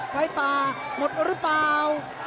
ไฟป่าหมดหรือเปล่า